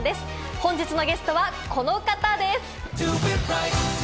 本日のゲストは、この方です。